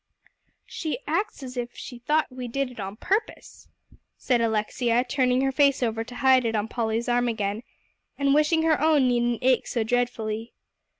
"She acts as if she thought we did it on purpose," said Alexia, turning her face over to hide it on Polly's arm again, and wishing her own needn't ache so dreadfully.